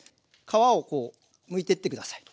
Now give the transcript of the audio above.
皮をこうむいてって下さい。